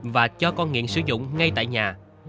và cho con nghiện sử dụng ngay tại nhà